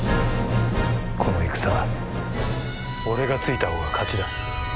この戦俺がついた方が勝ちだ。